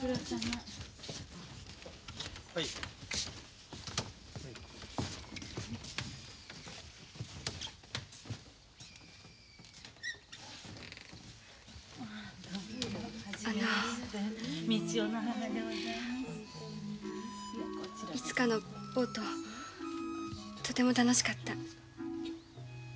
いつかのボートとても楽しかった。